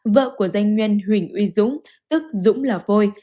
vợ của doanh nguyên huỳnh uy dũng tức dũng là phôi